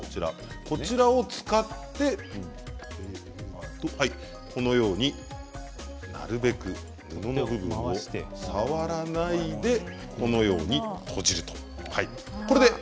こちらを使って、このようになるべく布の部分を触らないように閉じるということです。